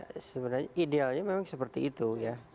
ya sebenarnya idealnya memang seperti itu ya